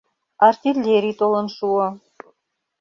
Артиллерий толын шуо.